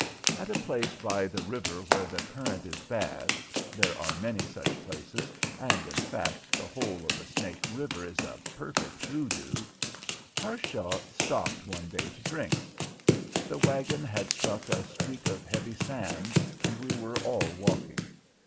At a place by the river where the current is bad (there are many such places, and, in fact, the whole of the Snake River is a perfect hoodoo) Harshaw stopped one day to drink. The wagon had struck a streak of heavy sand, and we were all walking.